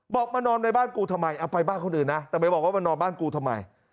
มานอนในบ้านกูทำไมเอาไปบ้านคนอื่นนะแต่ไปบอกว่ามานอนบ้านกูทำไม